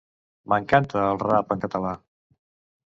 M'encanta el rap en català.